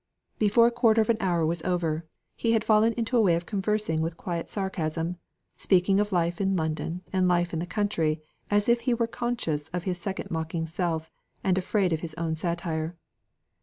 Before a quarter of an hour was over, he had fallen into a way of conversing with quiet sarcasm; speaking of life in London and life in the country, as if he were conscious of his second mocking self, and afraid of his own satire.